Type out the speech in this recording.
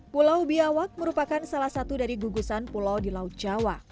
pulau biawak merupakan salah satu dari gugusan pulau di laut jawa